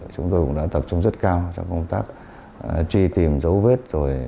chúng tôi cũng đã tập trung rất cao trong công tác truy tìm dấu vết